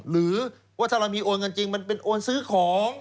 หรือว่าถ้าเรามีโอนเงินจริงมันเป็นโอนซื้อของ